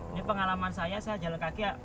ini pengalaman saya saya jalan kaki